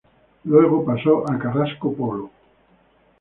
Luego pasó a Carrasco Polo.